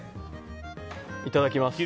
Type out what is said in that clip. いただきます。